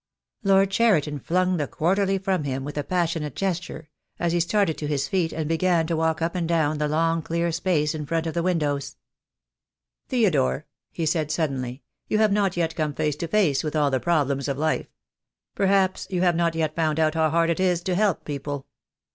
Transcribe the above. '" Lord Cheriton flung the Quarterly from him with a 11* 164 THE DAY WILL COME. passionate gesture, as he started to his feet and began to walk up and down the long clear space in front of the windows. "Theodore," he said suddenly, "you have not yet come face to face with all the problems of life. Perhaps you have not yet found out how hard it is to help people.